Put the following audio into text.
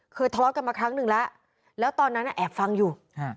ทะเลาะกันมาครั้งหนึ่งแล้วแล้วตอนนั้นแอบฟังอยู่